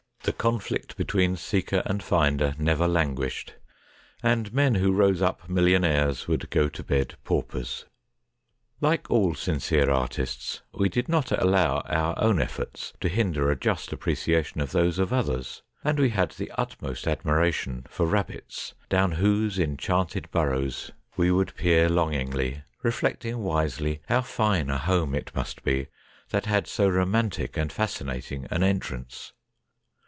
The conflict between seeker and finder never languished, and men who rose up millionaires would go to bed paupers. Like all sincere artists, we did not allow our own efforts to hinder a just appreciation of those of others, and we had the utmost admiration for rabbits, down whose enchanted burrows we would peer long 110 THE DAY BEFORE YESTERDAY ingly, reflecting wisely how fine a home it must be that had so romantic and fasci nating an entrance.